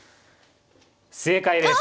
正解です。